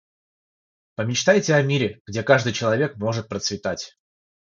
Помечтайте о мире, где каждый человек может процветать.